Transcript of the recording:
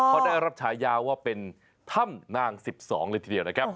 เขาได้รับฉายาว่าเป็นถ้ำนาง๑๒เลยทีเดียวนะครับ